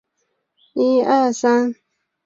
著名演员周采芹是她的姑姑。